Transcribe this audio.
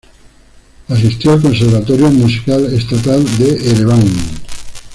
Asistió al Conservatorio Musical Estatal de Ereván.